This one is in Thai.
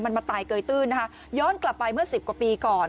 มันมาตายเกยตื้นนะคะย้อนกลับไปเมื่อสิบกว่าปีก่อน